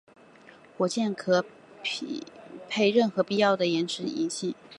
火箭可配备任何必要的延迟引信。